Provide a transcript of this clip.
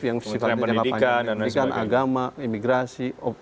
yang sifatnya yang apa pendidikan agama imigrasi